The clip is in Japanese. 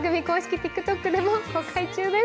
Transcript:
ＴｉｋＴｏｋでも公開中です。